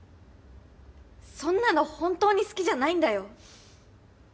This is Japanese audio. そんなの本当に好きじゃないんだよ。